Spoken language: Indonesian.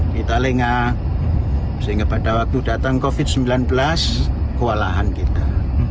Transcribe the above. kita lengah sehingga pada waktu datang covid sembilan belas kewalahan kita